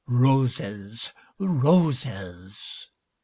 Roses! Roses!